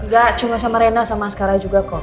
gak cuma sama rena sama sekarang juga kok